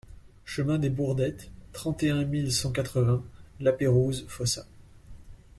Chemin des Bourdettes, trente et un mille cent quatre-vingts Lapeyrouse-Fossat